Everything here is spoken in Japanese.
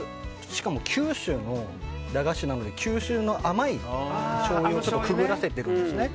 しかも九州の駄菓子なので九州の甘いしょうゆにくぐらせているんです。